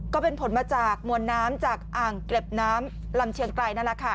ก็เป็นผลมาจากมวลน้ำจากอ่างเก็บน้ำลำเชียงไกลนั่นแหละค่ะ